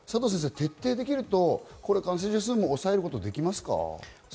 そこが徹底できると感染者数も抑えることができますか？